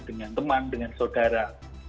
dengan teman dengan saudara